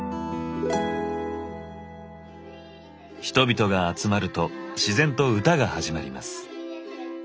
人々が集まると自然と歌が始まります。